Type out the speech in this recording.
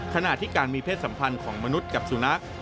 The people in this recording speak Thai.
ขณะที่การมีเพศสัมพันธ์ของมนุษย์กับสุนัข